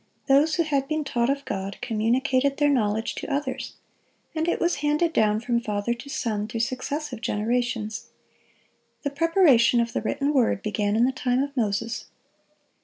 Those who had been taught of God, communicated their knowledge to others, and it was handed down from father to son, through successive generations. The preparation of the written word began in the time of Moses.